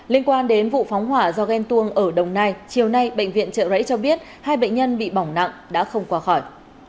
liên quan đến vụ phóng hỏa do ghen tuông ở đồng nai chiều nay bệnh viện trợ rẫy cho biết hai bệnh nhân bị bỏng nặng đã không qua khỏi